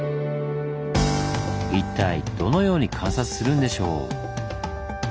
一体どのように観察するんでしょう？